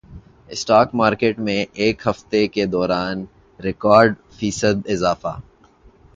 stock market میں ایک ہفتے کے دوران ریکارڈ فیصد اضافہ